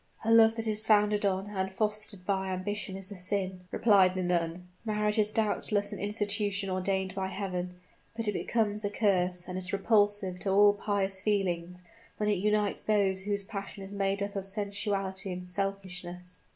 "A love that is founded on, and fostered by ambition is a sin," replied the nun. "Marriage is doubtless an institution ordained by Heaven; but it becomes a curse, and is repulsive to all pious feelings, when it unites those whose passion is made up of sensuality and selfishness."